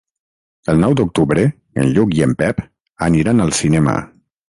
El nou d'octubre en Lluc i en Pep aniran al cinema.